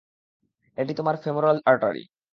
এটি তোমার femoral artery.